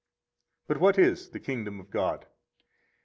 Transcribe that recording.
51 But what is the kingdom of God?